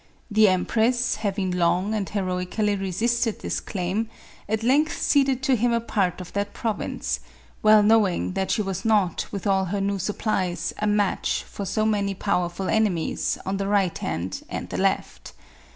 The empress, having long and heroically resisted this claim, at length ceded to him a part of that province, well knowing that she was not, with all her new supplies, a match for so many powerful ene mies, on the right hand and the left.